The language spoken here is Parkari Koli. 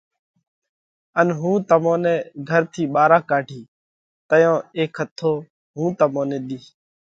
ان هُون تمون نئہ گھر ٿِي ٻارا ڪاڍِيه، تئيون اي کٿو هُون تمون نئہ ۮِيه۔